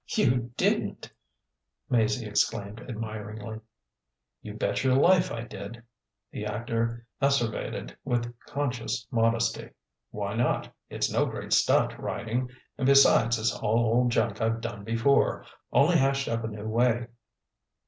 "You didn't!" Maizie exclaimed admiringly. "You bet your life I did," the actor asseverated with conscious modesty. "Why not? It's no great stunt, writing; and besides it's all old junk I've done before, only hashed up a new way.